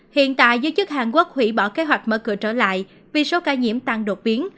hiện tại giới chức hàn quốc hủy bỏ kế hoạch mở cửa trở lại vì số ca nhiễm tăng đột biến